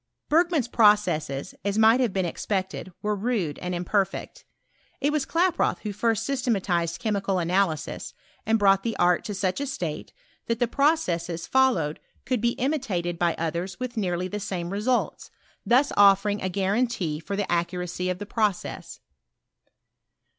Bergman's processes, as might have been ex pected, were rude and imperfect. It was Klaproth who first systematized chemical analysis and brought the art to such a state, that the processes followed I m mSTOBT or CSEMISTKT. could be imitated bv others witli nearly the same 'fESults, thus offering a ^arantee lor the accuracy of the process.